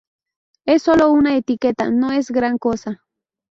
Es sólo una etiqueta, no es gran cosa.